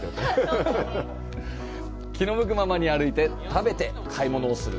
気の向くままに歩いて、食べて、買い物する。